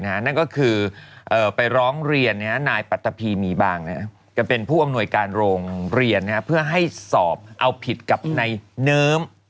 นี่ก็คือนายปัจตัพีมีบ้างจะเป็นผู้อำนวยการโรงเรียนเพื่อให้สอบเอาผิดกับนายเนิ้ม